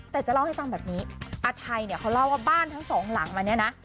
แต่จะเล่าให้ฟังแบบนี้อาทัยเนี่ยเขาเล่าว่าบ้านทั้งสองหลังมาเนี่ยนะ